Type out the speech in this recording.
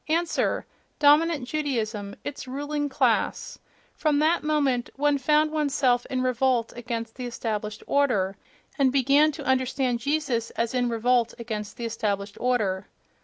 Answer: dominant Judaism, its ruling class. From that moment, one found one's self in revolt against the established order, and began to understand Jesus as in revolt against the established order.